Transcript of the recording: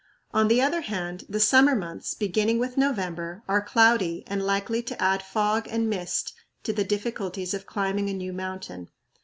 On the other hand, the "summer months," beginning with November, are cloudy and likely to add fog and mist to the difficulties of climbing a new mountain.